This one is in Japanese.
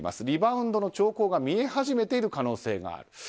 リバウンドの兆候が見え始めている可能性がある。